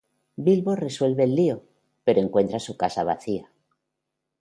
Bilbo resuelve el lío, pero encuentra su casa vacía.